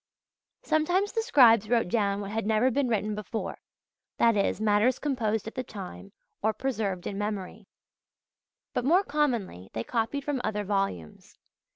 Sometimes the scribes wrote down what had never been written before, that is, matters composed at the time, or preserved in memory; but more commonly they copied from other volumes.